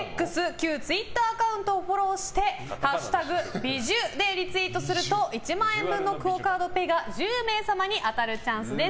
旧ツイッターアカウントをフォローして「＃びじゅ」でリツイートすると１万円分のＱＵＯカードＰａｙが１０名様に当たるチャンスです。